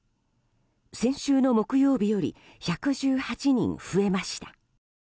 先週の木曜日より１１８人増えました。